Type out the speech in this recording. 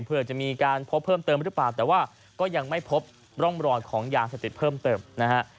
เพื่อจะมีการพบเพิ่มเติมหรือเปล่าแต่ว่าก็ยังไม่พบร่องรอยของยาเสพติดเพิ่มเติมนะฮะ